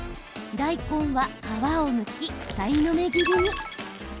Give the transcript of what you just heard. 大根は皮をむき、さいの目切りに。